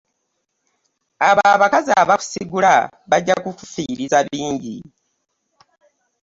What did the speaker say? Abo abakazi abakusigula bajja kukufiriza bbingi.